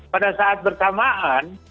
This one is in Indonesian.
pada saat pertamaan